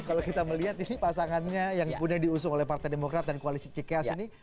kalau kita melihat ini pasangannya yang kemudian diusung oleh partai demokrat dan koalisi cikeas ini